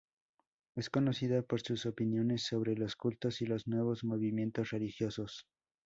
Es conocida por sus opiniones sobre los cultos y los nuevos movimientos religiosos.